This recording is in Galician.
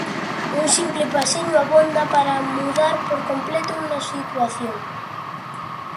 Un simple pasiño abonda para mudar por completo unha situación.